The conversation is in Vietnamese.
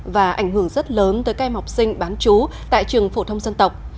và ảnh hưởng rất lớn tới các em học sinh bán chú tại trường phổ thông dân tộc